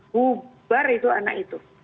buar itu anak itu